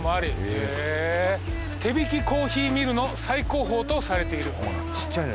へえ「手挽きコーヒーミルの最高峰とされている」